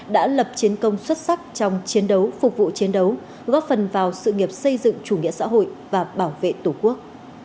đã lập chiến công xuất sắc trong chiến đấu phục vụ chiến đấu góp phần vào sự nghiệp xây dựng chủ nghĩa xã hội và bảo vệ tổ quốc